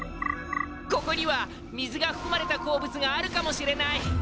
ここには水がふくまれた鉱物があるかもしれない！